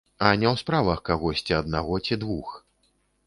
А не ў справах кагосьці аднаго ці двух.